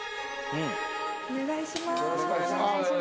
お願いします